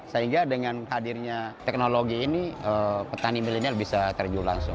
sehingga dengan hadirnya teknologi ini petani milenial bisa terjun langsung